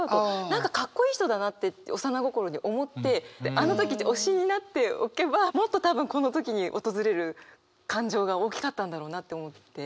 何かかっこいい人だなって幼心に思ってあの時推しになっておけばもっと多分この時に訪れる感情が大きかったんだろうなって思って。